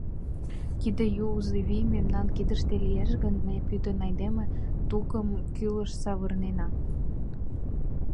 Тиде юзо вий мемнан кидыште лиеш гын, ме пӱтынь айдеме тукымым кулыш савырена!